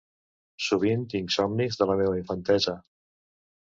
Sovint tinc somnis de la meva infantesa